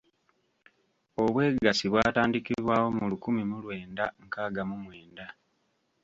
Obwegassi bwatandikibwawo mu lukumi mu lwenda nkaaga mu mwenda.